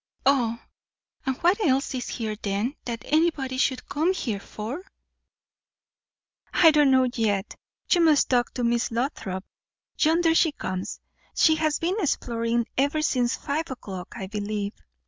"Ah! And what else is here then, that anybody should come here for?" "I don't know yet. You must ask Miss Lothrop. Yonder she comes. She has been exploring ever since five o'clock, I believe."